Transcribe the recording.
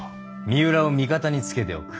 三浦を味方につけておく。